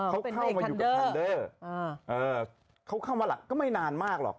เขาเข้ามาอยู่กับทันเดอร์เขาเข้ามาหลักก็ไม่นานมากหรอก